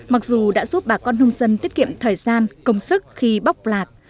mặc dù đã giúp bà con nông dân tiết kiệm thời gian công sức khi bóc lạc